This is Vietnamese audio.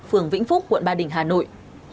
phường vĩnh phúc quận ba đình hà nội